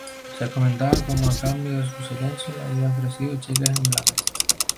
Se comentaba como a cambio de su silencio le habían ofrecido cheques en blanco.